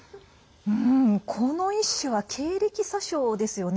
このイッシュは経歴詐称ですよね。